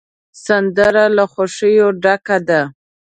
سندره له خوښیو ډکه ده